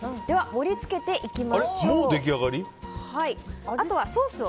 では盛り付けていきましょう。